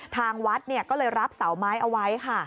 ทางวัดก็เลยรับเสาไม้เอาไว้ค่ะ